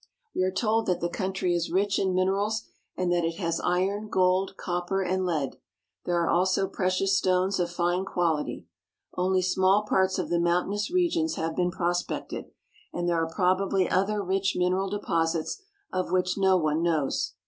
We are told that the country is rich in minerals, and that it has iron, gold, copper, and lead. There are also precious stones of fine quality. Only small parts of the mountainous regions have been prospected, and there are probably other rich mineral deposits of which no one knows.